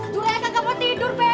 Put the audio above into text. juleha gak mau tidur be